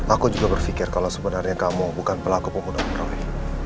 aku juga berpikir kalau sebenarnya kamu bukan pelaku pembunuhan rohing